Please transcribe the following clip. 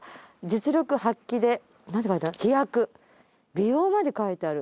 美容まで書いてある。